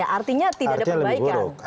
artinya tidak ada perbaikan